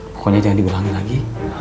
pokoknya jangan dibohongi lagi